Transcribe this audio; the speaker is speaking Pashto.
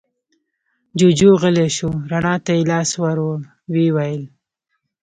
جوجُو غلی شو، رڼا ته يې لاس ور ووړ، ويې ويل: